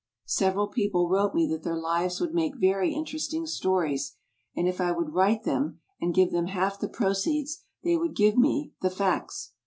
Several people wrote me that their lives would make very interesting stories, and if I would write them and give them half the proceeds they would give me "the facts!"